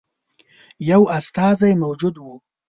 یو استازی موجود وو.